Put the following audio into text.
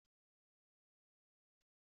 Ac-t-slemdeɣ.